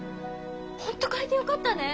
本当かえてよかったね。